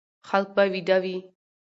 خلک به ويده وي،